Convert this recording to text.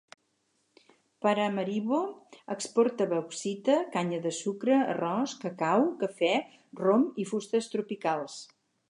Paramaribo exporta bauxita, canya de sucre, arròs, cacau, cafè, rom i fustes tropicals.